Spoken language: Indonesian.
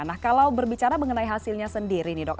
nah kalau berbicara mengenai hasilnya sendiri nih dok